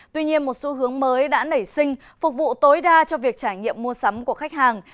tuy nhiên một xu hướng mới đã nảy sinh phục vụ tối đa cho việc trải nghiệm mua sắm của khách hàng